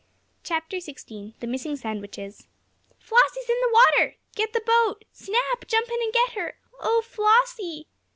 CHAPTER XVI THE MISSING SANDWICHES "Flossie is in the water!" "Get the boat!" "Snap! Jump in and get her!" "Oh, Flossie!"